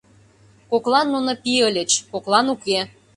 Коклан нуно пий ыльыч, коклан — уке.